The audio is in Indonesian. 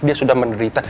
dia sudah menderita